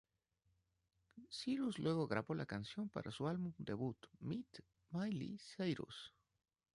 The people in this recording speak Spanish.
Cyrus luego grabó la canción para su álbum debut, Meet Miley Cyrus.